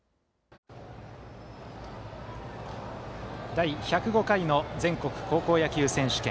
第１０５回の全国高校野球選手権。